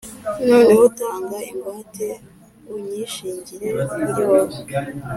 noneho tanga ingwate unyishingire kuri wowe,